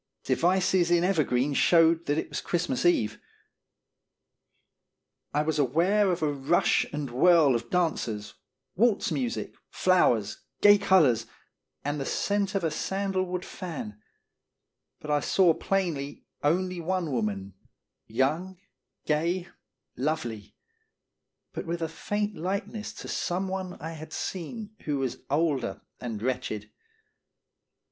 Devices in ever green showed that it was Christmae Eve. I was aware of a rush and whirl of dancers, walz music, flowers, gay colors, and the scent of a sandal wood fan; but I saw plainly only one woman, young, gay, lovely, but with a faint likeness to some one I had seen who was older and wretched.